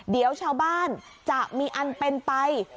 เดี๋ยวชาวบ้านจะมีอันเป็นไป